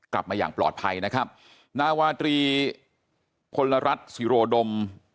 กลับมาอย่างปลอดภัยนะครับนาวาตรีพลรัฐศิโรดม